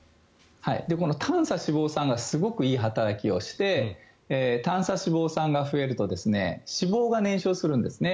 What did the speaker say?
この短鎖脂肪酸がすごいいい働きをして短鎖脂肪酸が増えると脂肪が燃焼するんですね。